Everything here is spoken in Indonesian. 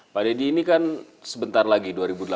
pak deddy ini kan sebentar lagi dua ribu delapan belas